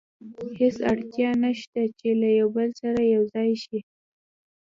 هېڅ اړتیا نه شته چې له یو بل سره یو ځای شي.